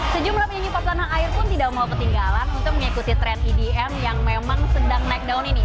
sejumlah penyanyi pas tanah air pun tidak mau ketinggalan untuk mengikuti tren edm yang memang sedang naik daun ini